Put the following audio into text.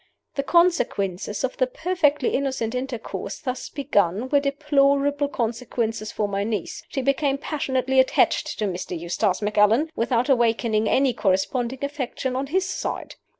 "The consequences of the perfectly innocent intercourse thus begun were deplorable consequences for my niece. She became passionately attached to Mr. Eustace Macallan, without awakening any corresponding affection on his side.